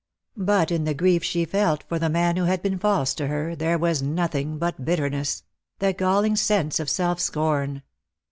But in the grief she felt for the man who had been false to her there was nothing but bitterness — the galling sense of self scorn.